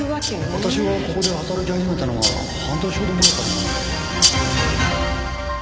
私がここで働き始めたのは半年ほど前からなので。